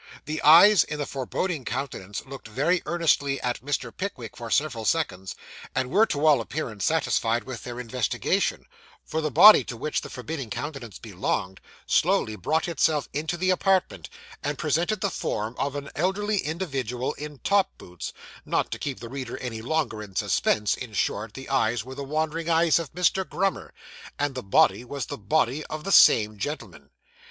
The eyes in the forbidding countenance looked very earnestly at Mr. Pickwick, for several seconds, and were to all appearance satisfied with their investigation; for the body to which the forbidding countenance belonged, slowly brought itself into the apartment, and presented the form of an elderly individual in top boots not to keep the reader any longer in suspense, in short, the eyes were the wandering eyes of Mr. Grummer, and the body was the body of the same gentleman.